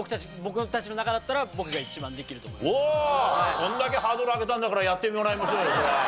これだけハードル上げたんだからやってもらいましょうよじゃあ。